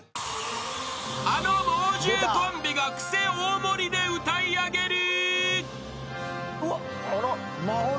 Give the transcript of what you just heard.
［あの猛獣コンビがクセ大盛りで歌い上げる］